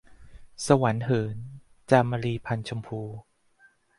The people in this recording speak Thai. สวรรค์เหิน - จามรี พรรณชมพู